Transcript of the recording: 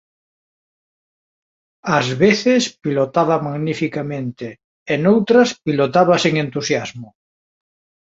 Ás veces pilotaba magnificamente e noutras pilotaba sen entusiasmo.